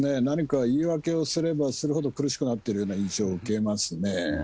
何か言い訳をすればするほど、苦しくなっているような印象を受けますね。